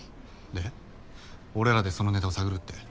で俺らでそのネタを探るって？